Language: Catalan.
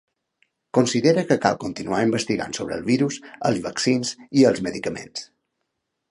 Considera que cal continuar investigant sobre el virus, els vaccins i els medicaments.